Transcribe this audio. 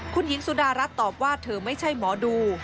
คุณหญิงสุดารัฐตอบว่าเธอไม่ใช่หมอดู